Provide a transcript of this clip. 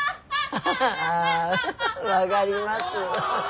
アハハ分がります。